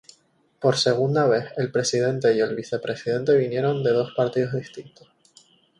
Por segunda vez, el Presidente y el Vicepresidente vinieron de dos partidos distintos.